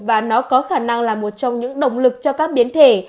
và nó có khả năng là một trong những động lực cho các biến thể